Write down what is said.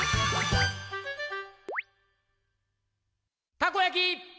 「たこやき！」